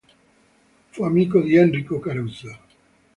Fu amico di Enrico Caruso.